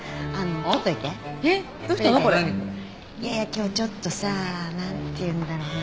今日ちょっとさ何ていうんだろうな？